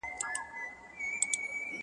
باران راوړی قاسم یاره د سپرلي او ګلاب زېری,